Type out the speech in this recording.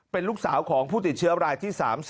เป็นลูกสาวของผู้ติดเชื้อรายที่๓๐